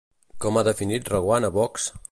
Com ha definit Reguant a Vox?